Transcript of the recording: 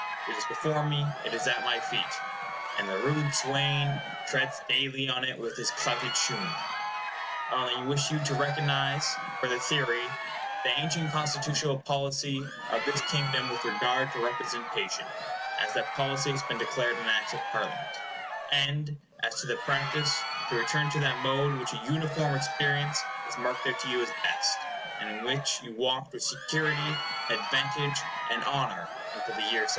It is before me—it is at my feet, "And the rude swain Treads daily on it with his clouted shoon." I only wish you to recognize, for the theory, the ancient constitutional policy of this kingdom with regard to representation, as that policy has been declared in Acts of Parliament; and as to the practice, to return to that mode which a uniform experience has marked out to you as best, and in which you walked with security, advantage, and honor, until the year 1763.